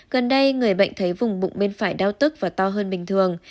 gần đây người bệnh thấy vùng bụng bên phải đau tức và to hơn bình thường